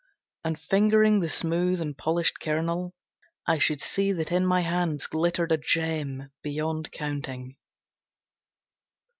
And fingering the smooth and polished kernel I should see that in my hands glittered a gem beyond counting.